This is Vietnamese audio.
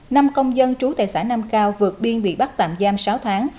năm công dân trú tại xã nam cao vượt biên bị bắt tạm giam sáu tháng